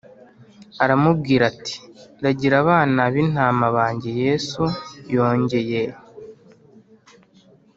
aramubwira ati ragira abana b intama banjye Yesu yongeye